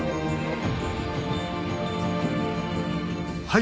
あ！